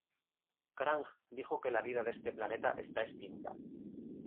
Krang dijo que la vida de ese planeta está extinta.